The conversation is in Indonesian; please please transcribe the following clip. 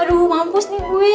aduh mampus nih gue